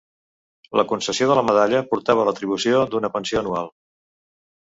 La concessió de la medalla portava l'atribució d'una pensió anual.